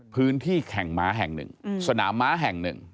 พื้นที่แข่งม้าแห่งหนึ่งสนามม้าแห่งหนึ่ง